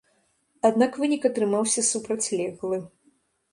Аднак вынік атрымаўся супрацьлеглы.